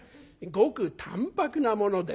ごく淡泊なものでな」。